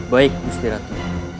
baik gusti ratu